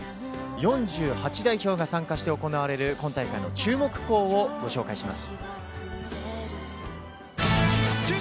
４８代表が参加して行われる今大会の注目校をご紹介します。